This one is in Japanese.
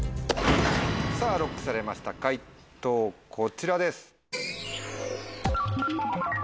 さぁＬＯＣＫされました解答こちらです。